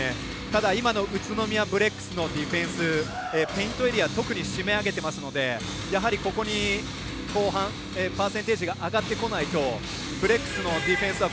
ただ、今の宇都宮ブレックスのディフェンス、ペイントエリア特にしめ上げてますのでやはり、ここに後半パーセンテージが上がってこないとブレックスのディフェンスは